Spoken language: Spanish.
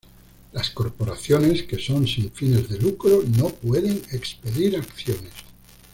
Las corporaciones que son sin fines de lucro no pueden expedir acciones.